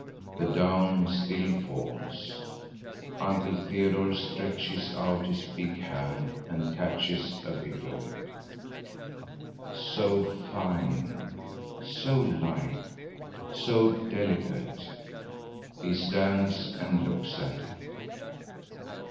The down still falls. Uncle Theodore stretches out his big hand and catches a bit of it. So fine, so light, so delicate! He stands and looks at it.